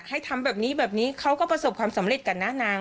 ให้ทำแบบนี้แบบนี้เขาก็ประสบความสำเร็จกันนะนาง